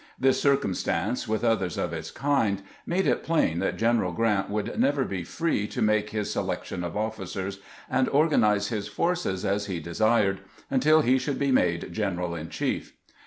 This circumstance, with others of its kind, made it plain that General Grant would never be free to make his selection of officers, and organize his forces as he desired, until he should be made general in chief.